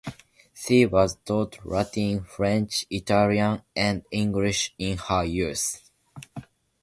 She was taught Latin, French, Italian, and English in her youth.